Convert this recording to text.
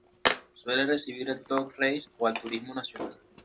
Suele recibir al Top Race o al Turismo Nacional.